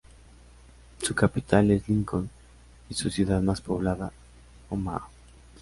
Su capital es Lincoln y su ciudad más poblada, Omaha.